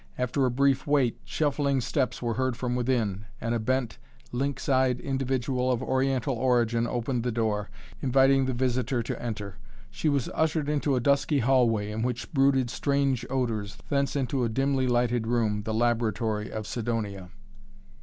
After a brief wait, shuffling steps were heard from within, and a bent, lynx eyed individual of Oriental origin opened the door, inviting the visitor to enter. She was ushered into a dusky hallway, in which brooded strange odors, thence into a dimly lighted room, the laboratory of Sidonia.